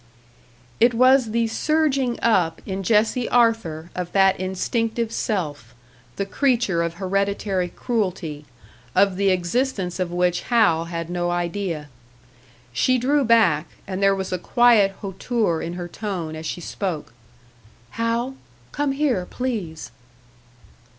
It was the surging up in Jessie Arthur of that instinctive self, the creature of hereditary cruelty, of the existence of which Hal had no idea. She drew back, and there was a quiet hauteur in her tone as she spoke. "Hal, come here, please."